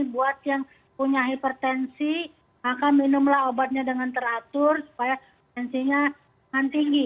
buat yang punya hipertensi maka minumlah obatnya dengan teratur supaya tensinya tinggi